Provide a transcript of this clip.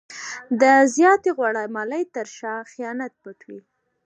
د زیاتې غوړه مالۍ تر شا خیانت پټ وي.